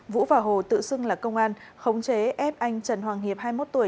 vũ và hồ tự xưng là công an khống chế ép anh trần hoàng hiệp hai mươi một tuổi